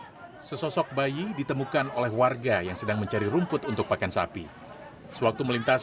hai sesosok bayi ditemukan oleh warga yang sedang mencari rumput untuk pakaian sapi sewaktu melintas